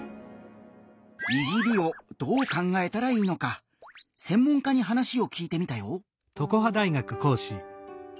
「いじり」をどう考えたらいいのか専門家に話を聞いてみたよ！